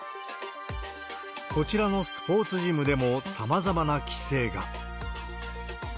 こちらのスポーツジムでも、さまざまな規制が。